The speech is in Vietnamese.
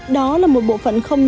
đó là một bộ phận không định